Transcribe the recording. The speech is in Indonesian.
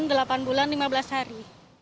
lima belas tahun delapan bulan lima belas hari